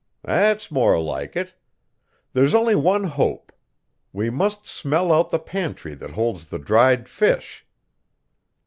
"That's more like it. There's only one hope. We must smell out the pantry that holds the dried fish."